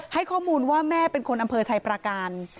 ให้ข้อมูลว่าแม่เป็นคนอำเภอชัยประการ